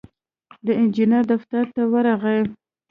د انجينر دفتر ته ورغی.